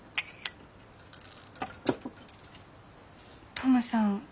トムさん